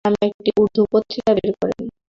তিনি ‘আল-হিলাল’ নামে একটি উর্দু পত্রিকা বের করেন।